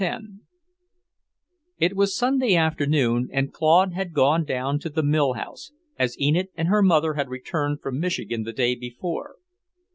X It was Sunday afternoon and Claude had gone down to the mill house, as Enid and her mother had returned from Michigan the day before.